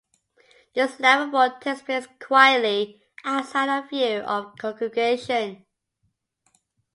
This lavabo takes place quietly, outside of the view of the congregation.